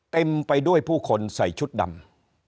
เต็มไปด้วยผู้คนใส่ชุดดำ